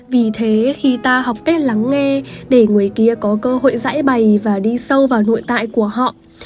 vì thế khi ta học cách lắng nghe để người kia có cơ hội giải bày và đi sâu vào nội tại của họ